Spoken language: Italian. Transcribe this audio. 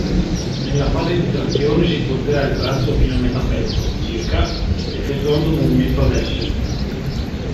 Nella fase di trazione si porterà il braccio fino a metà petto (circa) effettuando un movimento ad "S".